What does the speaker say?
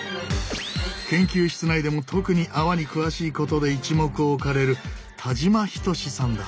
研究室内でも特に泡に詳しいことで一目置かれる田島準さんだ。